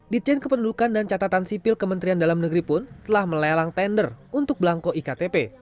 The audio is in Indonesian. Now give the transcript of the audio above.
ditjen kependudukan dan catatan sipil kementerian dalam negeri pun telah melelang tender untuk belangko iktp